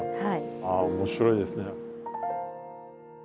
ああ面白いですね。